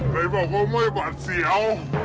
ใครบอกว่าไม่บาดเสียว